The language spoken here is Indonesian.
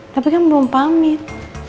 tapi kan belum pamit